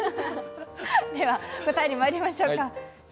では答えにまいりましょうか。